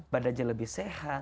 badannya lebih sehat